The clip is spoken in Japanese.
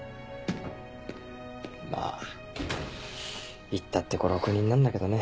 まぁ言ったって５６人なんだけどね。